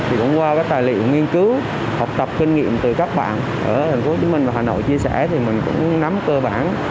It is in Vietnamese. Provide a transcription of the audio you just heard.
thì cũng qua các tài liệu nghiên cứu học tập kinh nghiệm từ các bạn ở thành phố hồ chí minh và hà nội chia sẻ thì mình cũng nắm cơ bản